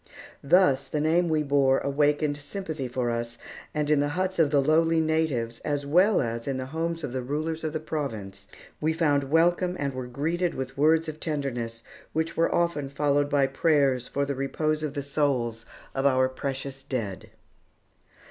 Thus the name we bore awakened sympathy for us, and in the huts of the lowly natives as well as in the homes of the rulers of the province, we found welcome and were greeted with words of tenderness, which were often followed by prayers for the repose of the souls of our precious dead.